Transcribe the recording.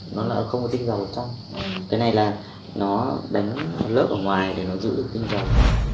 nó lại không có kinh dầu trong cái này là nó đánh lớp ở ngoài để nó giữ được kinh dầu